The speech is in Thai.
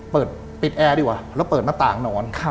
เปิดปิดแอร์ดีกว่าแล้วเปิดหน้าต่างนอน